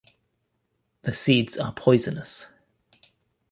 The seeds are poisonous.